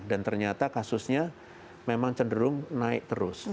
dan ternyata kasusnya memang cenderung naik terus